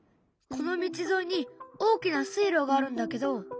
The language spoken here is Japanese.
この道沿いに大きな水路があるんだけど。